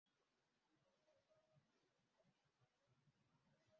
ukuboko kwe kw'iburyo mu nkono yamenetse kandi